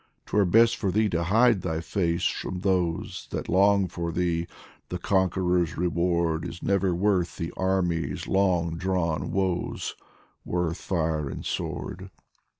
'Twere best for thee to hide thy face from those That long for thee ; the Conqueror's reward Is never worth the army's long drawn woes, Worth fire and sword.